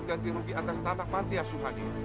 ganti rugi atas tanah pantiasuhani